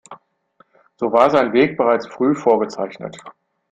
So war sein Weg bereits früh vorgezeichnet.